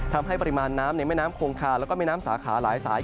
ทำให้ปริมาณน้ำในแม่น้ำคงคาแล้วก็แม่น้ำสาขาหลายสาย